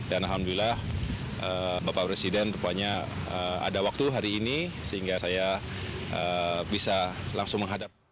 dan alhamdulillah bapak presiden rupanya ada waktu hari ini sehingga saya bisa langsung menghadap